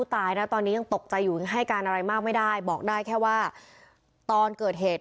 ตายนะตอนนี้ยังตกใจอยู่ให้การอะไรมากไม่ได้บอกได้แค่ว่าตอนเกิดเหตุ